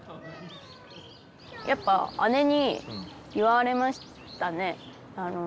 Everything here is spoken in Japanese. やっぱ姉に言われましたね。